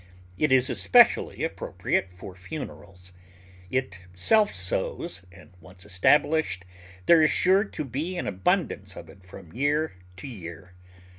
It is especially appropriate for funerals. It self sows, and once established there is sure to be an abundance of it from year to year.